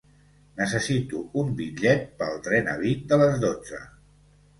Necessito un bitllet pel tren a Vic de les dotze.